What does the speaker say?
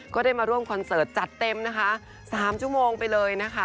ก็ได้มาร่วมคอนเสิร์ตจัดเต็มนะคะ๓ชั่วโมงไปเลยนะคะ